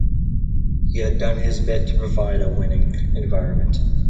He has done his bit to provide a winning environment.